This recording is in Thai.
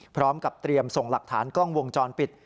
พร้อมกับเตรียมส่งหลักฐานกล้องวงจรปิด